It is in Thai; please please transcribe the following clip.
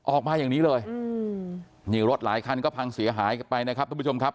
ออกมาอย่างนี้เลยนี่รถหลายคันก็พังเสียหายกันไปนะครับทุกผู้ชมครับ